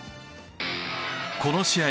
この試合